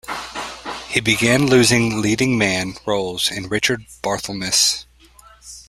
He began losing leading man roles to Richard Barthelmess.